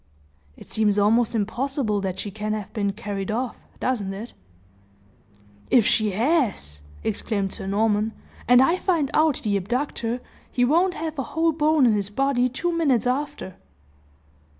"It seems almost impossible that she can have been carried off doesn't it?" "If she has!" exclaimed Sir Norman, "and I find out the abductor, he won't have a whole bone in his body two minutes after!"